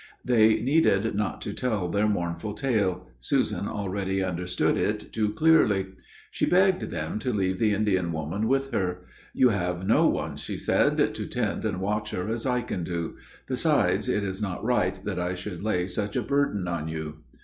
They needed not to tell their mournful tale Susan already understood it but too clearly. She begged them to leave the Indian woman with her. "You have no one," said she, "to tend and watch her as I can do; besides, it is not right that I should lay such a burden on you."